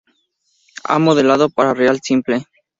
Ha modelado para Real Simple.